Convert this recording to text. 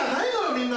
みんな。